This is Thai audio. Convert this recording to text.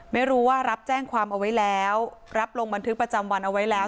ไม่รู้ว่ารับแจ้งความเอาไว้แล้วรับลงบันทึกประจำวันเอาไว้แล้ว